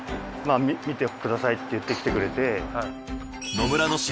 まあ見てくださいって言ってきてくれて。